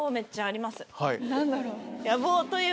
何だろう？